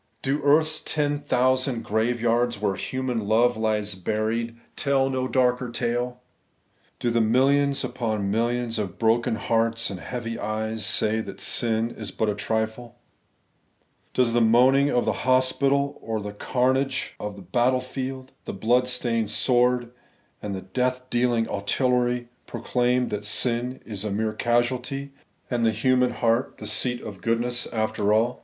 Do earth's ten thousand graveyards, where human love lies buried, tell no darker tale ? Do the millions upon millions of broken hearts and heavy eyes say that sin is but a trifle ? Does the moaning of the hospital or the carnage of the battle field, the blood stained sword, and the death dealing artillery, proclaim that sin is a mere casualty, and the human heart the seat of goodness after all?